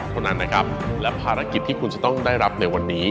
เท่านั้นนะครับและภารกิจที่คุณจะต้องได้รับในวันนี้